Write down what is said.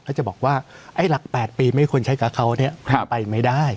แล้วจะบอกว่าไอ้หลัก๘ปีไม่ควรใช้กับเขาเนี่ยไปไม่ได้